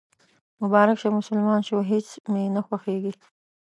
مبارک شه، مسلمان شوېهیڅ مې نه خوښیږي